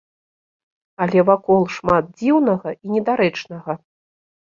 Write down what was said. Але вакол шмат дзіўнага і недарэчнага.